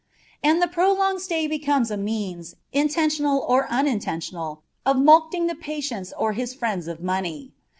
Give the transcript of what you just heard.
And the prolonged stay becomes a means, intentional or unintentional, of mulcting the patient or his friends of money.